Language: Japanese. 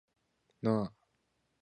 なあ